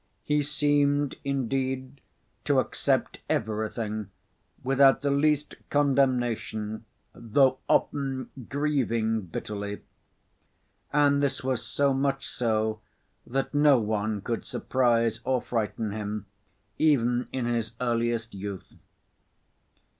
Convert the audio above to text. He seemed, indeed, to accept everything without the least condemnation though often grieving bitterly: and this was so much so that no one could surprise or frighten him even in his earliest youth.